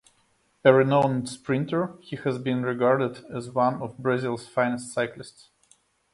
A renowned sprinter, he has been regarded as one of Brazil's finest cyclists.